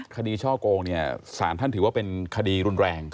คดีช่อกงสารท่านถือว่าเป็นคดีรุนแรง